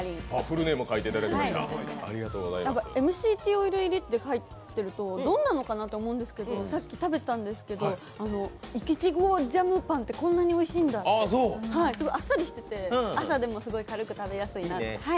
ＭＣＴオイル入りって書いてあるとどんなのかなって思うんですけどさっき食べたんですけど、いちごジャムパンってこんなにおいしいんだってあっさりしてて朝でもすごく軽く食べやすいなって。